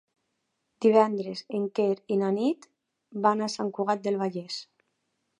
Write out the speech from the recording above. Divendres en Quer i na Nit van a Sant Cugat del Vallès.